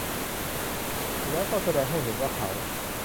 แล้วก็แสดงให้เห็นว่า เขา